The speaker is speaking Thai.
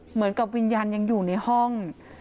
เหมือนกับวิญญาณยังอยู่ในห้อง